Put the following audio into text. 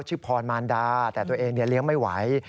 พรมารดาแต่ตัวเองเลี้ยงไม่ไหว